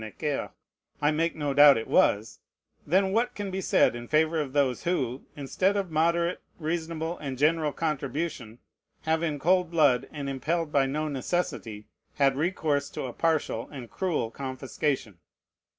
Necker, I make no doubt it was,) then what can be said in favor of those who, instead of moderate, reasonable, and general contribution, have in cold blood, and impelled by no necessity, had recourse to a partial and cruel confiscation?